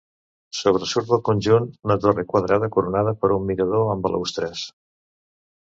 Sobresurt del conjunt una torre quadrada, coronada per un mirador amb balustres.